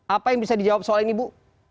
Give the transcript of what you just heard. apa yang bisa dijawab soal ini bu